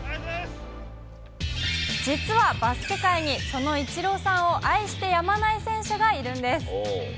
実はバスケ界に、そのイチローさんを愛してやまない選手がいるんです。